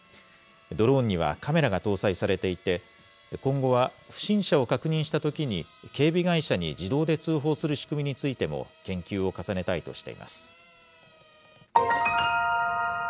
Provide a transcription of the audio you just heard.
ドローンにはカメラが搭載されていて、今後は不審者を確認したときに、警備会社に自動で通報する仕組みについても研究を重ねたいとしています。